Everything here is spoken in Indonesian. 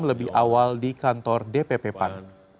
lebih awal di kantor dpp pan